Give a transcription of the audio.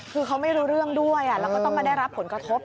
คือเขาไม่รู้เรื่องด้วยแล้วก็ต้องมาได้รับผลกระทบ